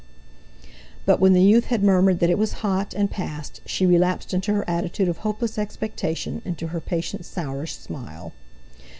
But when the youth had murmured that it was hot, and passed, she relapsed into her attitude of hopeless expectation, into her patient, sourish smile.